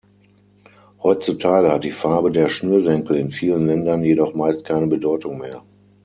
Heutzutage hat die Farbe der Schnürsenkel in vielen Ländern jedoch meist keine Bedeutung mehr.